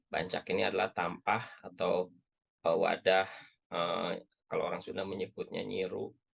bancak ini adalah tampah atau wadah kalau orang sunda menyebutnya nyiru